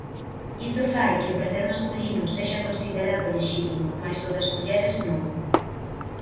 Iso fai que o pracer masculino sexa considerado lexítimo mais o das mulleres non.